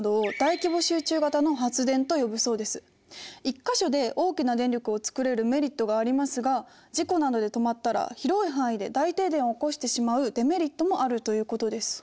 一か所で大きな電力を作れるメリットがありますが事故などで止まったら広い範囲で大停電を起こしてしまうデメリットもあるということです。